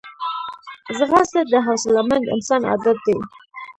ځغاسته د حوصلهمند انسان عادت دی